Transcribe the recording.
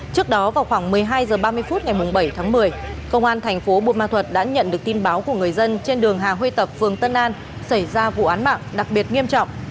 trước đó vào khoảng một mươi hai h ba mươi phút ngày bảy tháng một mươi công an thành phố buôn ma thuật đã nhận được tin báo của người dân trên đường hà huy tập phường tân an xảy ra vụ án mạng đặc biệt nghiêm trọng